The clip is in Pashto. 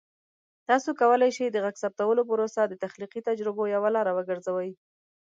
تاسو کولی شئ د غږ ثبتولو پروسه د تخلیقي تجربو یوه لاره وګرځوئ.